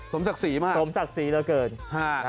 สมศักดิ์ศรีมากสมศักดิ์ศรีเหลือเกิน